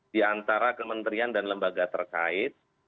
di antara kementerian dan lembaga terkait